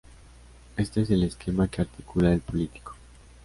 Este es el esquema que articula "El Político".